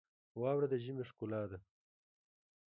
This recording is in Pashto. واوره د ژمي ښکلا ده.